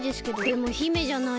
でも姫じゃないし。